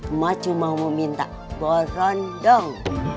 emak cuma mau minta berondong